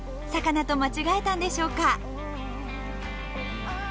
魚と間違えたんでしょうか。